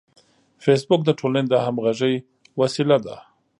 فېسبوک د ټولنې د همغږۍ وسیله ده